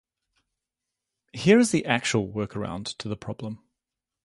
Here is the actual workaround to the problem.